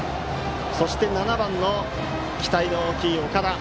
そして７番、期待の大きい岡田へ。